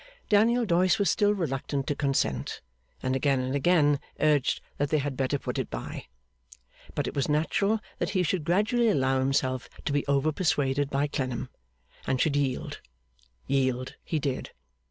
Daniel Doyce was still reluctant to consent, and again and again urged that they had better put it by. But it was natural that he should gradually allow himself to be over persuaded by Clennam, and should yield. Yield he did.